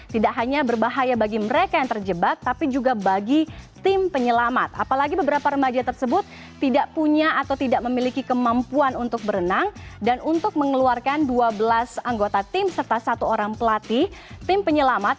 tidak hanya berbahaya bagi mereka yang terjebak tapi juga bagi tim penyelamat apalagi beberapa remaja tersebut tidak punya atau tidak memiliki kemampuan untuk berenang dan untuk mengeluarkan dua belas anggota tim serta satu orang pelatih tim penyelamat